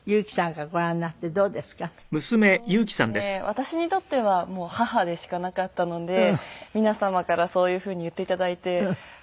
私にとっては母でしかなかったので皆様からそういうふうに言って頂いて。